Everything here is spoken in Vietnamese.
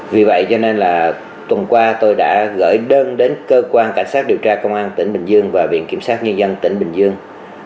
vì vậy cho nên là tuần qua tôi đã gửi đơn đến cơ quan cảnh sát điều tra công an tỉnh bình dương và viện kiểm sát nhân dân tỉnh bình dương